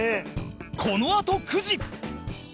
このあと９時！